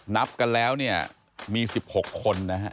นับกันแล้วเนี่ยมี๑๖คนนะฮะ